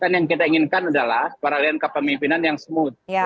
kan yang kita inginkan adalah paralihan kepemimpinan yang smooth ya